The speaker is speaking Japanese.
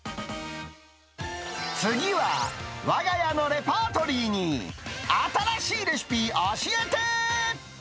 次は、わが家のレパートリーに新しいレシピ教えて！